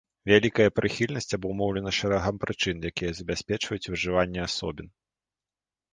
Вялікая прыхільнасць абумоўлена шэрагам прычын, якія забяспечваюць выжыванне асобін.